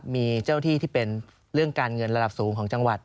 มีเจ้าที่ที่เป็นเรื่องการเงินระดับสูงของจังหวัด